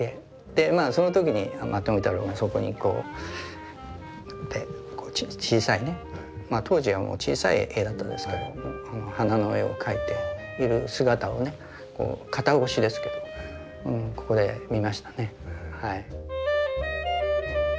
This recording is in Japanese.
その時に富太郎がそこに小さいね当時は小さい絵だったですけど花の絵を描いている姿をね肩越しですけどここで見ましたね。